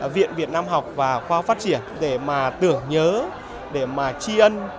viện việt nam học và khoa phát triển để mà tưởng nhớ để mà tri ân